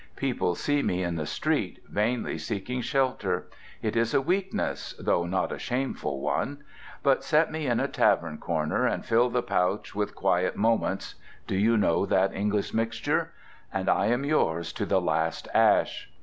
People see me in the street, vainly seeking shelter. It is a weakness, though not a shameful one. But set me in a tavern corner, and fill the pouch with "Quiet Moments" (do you know that English mixture?) and I am yours to the last ash.